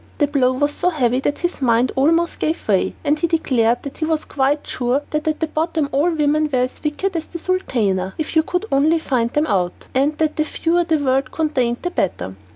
The blow was so heavy that his mind almost gave way, and he declared that he was quite sure that at bottom all women were as wicked as the sultana, if you could only find them out, and that the fewer the world contained the better.